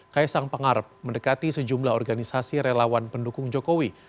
kaisang pangarep mendekati sejumlah organisasi relawan pendukung jokowi